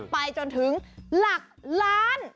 ไปจนถึงหลักล้าน